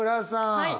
はい。